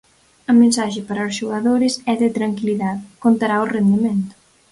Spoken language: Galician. A mensaxe para os xogadores é de tranquilidade, contará o rendemento.